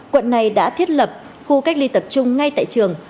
quận này đã thiết lập khu cách ly tập trung ngay tại trường